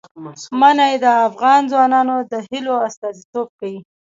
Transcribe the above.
منی د افغان ځوانانو د هیلو استازیتوب کوي.